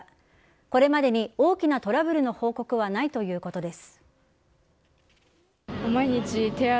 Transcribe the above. これまでに大きなトラブルの報告はないということです。